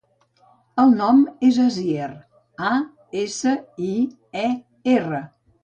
El nom és Asier: a, essa, i, e, erra.